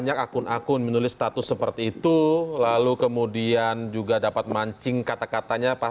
aku menulis status seperti itu lalu kemudian juga dapat mancing kata katanya